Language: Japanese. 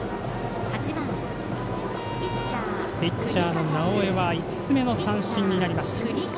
ピッチャーの直江は５つ目の三振になりました。